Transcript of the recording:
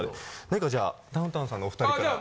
何かじゃあダウンタウンさんのお２人から。